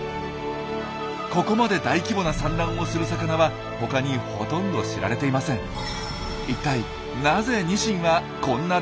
ここまで大規模な産卵をする魚は他にほとんど知られていません。